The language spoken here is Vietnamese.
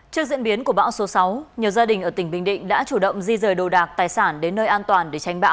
trước diễn biến của bão số sáu nhiều gia đình ở tỉnh bình định đã chủ động di rời đồ đạc tài sản đến nơi an toàn